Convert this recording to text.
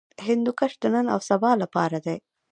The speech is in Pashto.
هندوکش د نن او سبا لپاره دی.